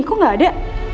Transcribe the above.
kok gak ada